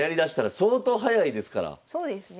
そうですね。